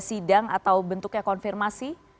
ada sidik di bidang atau bentuknya konfirmasi